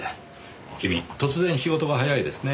君突然仕事が速いですねぇ。